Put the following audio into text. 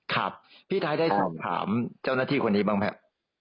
ครับพี่ไทยได้สอบถามเจ้าหน้าที่คนนี้บ้างไหมครับ